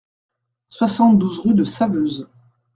soixante-douze rue de Saveuse